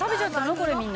これみんな」